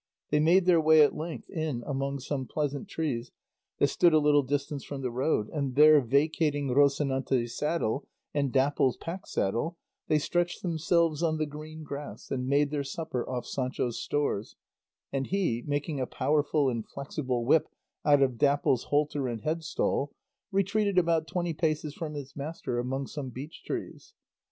They made their way at length in among some pleasant trees that stood a little distance from the road, and there vacating Rocinante's saddle and Dapple's pack saddle, they stretched themselves on the green grass and made their supper off Sancho's stores, and he making a powerful and flexible whip out of Dapple's halter and headstall retreated about twenty paces from his master among some beech trees.